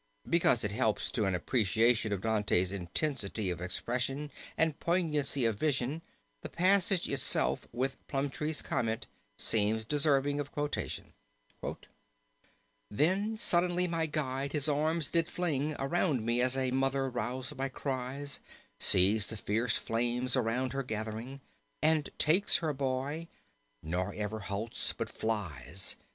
Because it helps to an appreciation of Dante's intensity of expression and poignancy of vision the passage itself, with Plumptre's comment, seems deserving of quotation: "Then suddenly my Guide his arms did fling Around me, as a mother, roused by cries, Sees the fierce flames around her gathering And takes her boy, nor ever halts but flies.